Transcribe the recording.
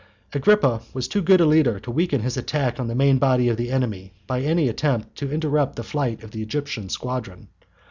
Agrippa was too good a leader to weaken his attack on the main body of the enemy by any attempt to interrupt the flight of the Egyptian squadron.